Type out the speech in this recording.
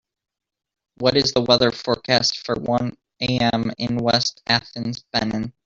What is the weather forecast for one am. in West Athens, Benin